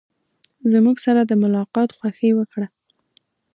زموږ سره د ملاقات خوښي وکړه.